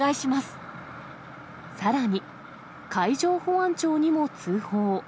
さらに、海上保安庁にも通報。